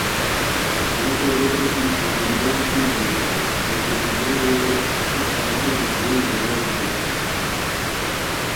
ریکو ریتائے کی تہ نان بیلی کوئے بی اسور؟ ریکو کومورو ریتائے کی ہسے پھار دیہی ژیری ژیباؤ بی اسور ریتائے